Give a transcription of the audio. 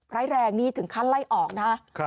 ร้ายแรงนี่ถึงขั้นไล่ออกนะ